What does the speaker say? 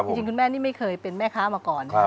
จริงคุณแม่นี่ไม่เคยเป็นแม่ค้ามาก่อน